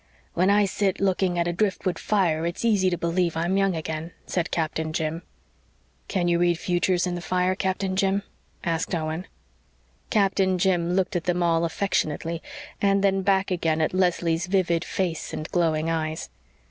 "When I sit looking at a driftwood fire it's easy to believe I'm young again," said Captain Jim. "Can you read futures in the fire, Captain Jim?" asked Owen. Captain Jim looked at them all affectionately and then back again at Leslie's vivid face and glowing eyes.